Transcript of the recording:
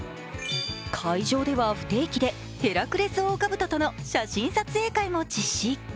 会場では不定期でヘラクレスオオカブトとの写真撮影会も実施。